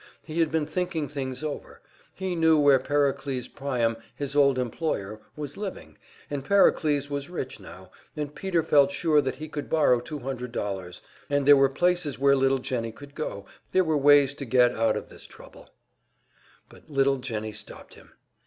He had been thinking things over; he knew where Pericles Priam, his old employer, was living, and Pericles was rich now, and Peter felt sure that he could borrow two hundred dollars, and there were places where little Jennie could go there were ways to get out of this trouble But little Jennie stopped him.